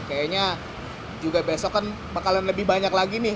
kayaknya juga besok kan bakalan lebih banyak lagi nih